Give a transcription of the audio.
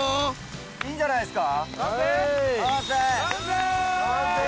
いいんじゃないですか？